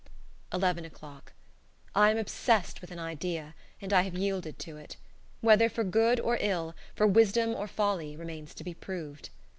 Eleven o'clock. I am obsessed with an idea, and I have yielded to it; whether for good or ill, for wisdom or folly, remains to be proved.